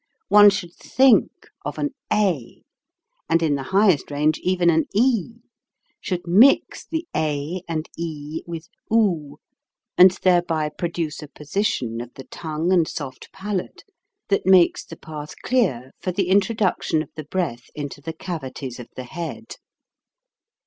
One should think of an a, and in the highest range even an e] should mix the a and with 60, and thereby produce a posi tion of the tongue and soft palate that makes 174 HOW TO SING the path clear for the introduction of the breath into the cavities of the head.